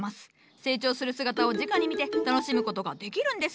成長する姿をじかに見て楽しむことができるんです。